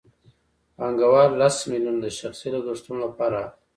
پانګوال لس میلیونه د شخصي لګښتونو لپاره اخلي